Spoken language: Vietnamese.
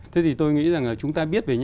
thế thì tôi nghĩ rằng là chúng ta biết về